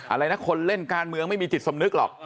อะไรนะคนเล่นการเมืองไม่มีจิตสำนึกหรอก